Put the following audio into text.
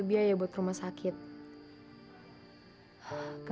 bakal balik ya kita